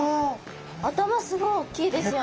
頭すごい大きいですよね。